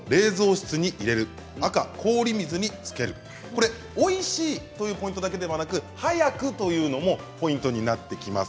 これおいしいというポイントだけではなく早くというのもポイントになってきます。